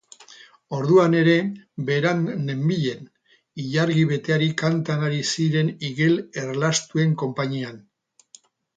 Orduan ere berant nenbilen, ilargi beteari kantan ari ziren igel erlastuen konpainian.